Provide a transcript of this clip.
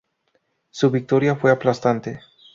Su victoria fue aplastante.